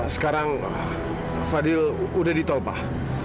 sekarang fadil sudah di tol pak